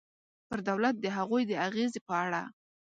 پر دولت د هغوی د اغېزې په اړه.